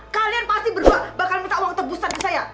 kalian pasti berdua bakal minta uang tebusan dari saya